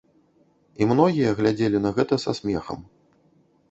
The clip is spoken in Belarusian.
І многія глядзелі на гэта са смехам.